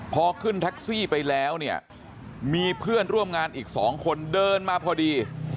พอขึ้นแท็กซี่ไปแล้วเนี่ยมีเพื่อนร่วมงานอีก๒คนเดินมาพอดี